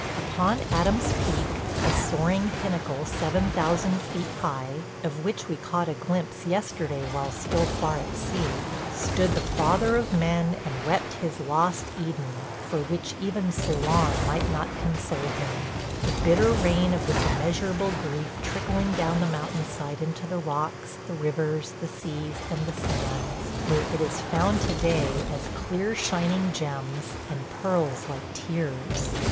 Upon Adam's Peak – a soaring pinnacle seven thousand feet high, of which we caught a glimpse yesterday while still far at sea – stood the father of men and wept his lost Eden, for which even Ceylon might not console him; the bitter rain of this immeasurable grief trickling down the mountain side into the rocks, the rivers, the sea, and the sands, where it is found to day as clear shining gems and pearls like tears.